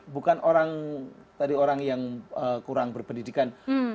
bukan orang tadi orang yang kurang berpendidikan